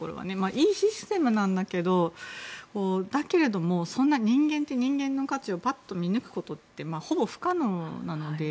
いいシステムなんだけどだけれどもそんな人間って人間の価値をぱっと見抜くことってほぼ不可能なので。